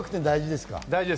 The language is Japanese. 大事です。